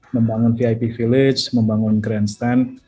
membangun vip village membangun grandstand